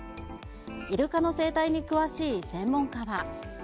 イルカの生態に詳しい専門家は。